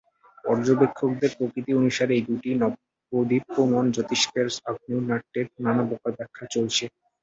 পর্যবেক্ষকদের প্রকৃতি অনুসারে এই দুটি নবদীপ্যমান জ্যোতিষ্কের আগ্নেয় নাট্যের নানাপ্রকার ব্যাখ্যা চলছে।